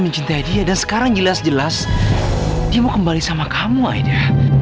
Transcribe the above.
mencintai dia dan sekarang jelas jelas dia mau kembali sama kamu aja